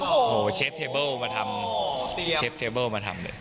โอ้โหเชฟเทเบิลมาทำเชฟเทเบิลมาทำเลย